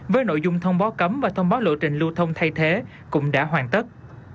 với nội dung thông báo cấm và thông báo lộ trình lưu thông thay thế cũng đã hoàn tất